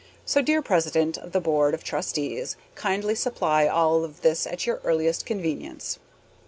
So, dear president of the board of trustees, kindly supply all of this at your earliest convenience.